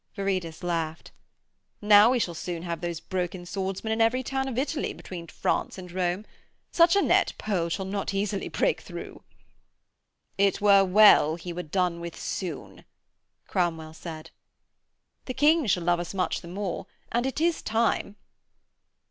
Viridus laughed. 'Now we shall soon have these broken swordsmen in every town of Italy between France and Rome. Such a net Pole shall not easily break through.' 'It were well he were done with soon,' Cromwell said. 'The King shall love us much the more; and it is time.'